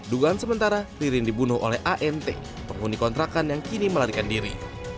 dugaan sementara ririn dibunuh oleh ant penghuni kontrakan yang kini melarikan diri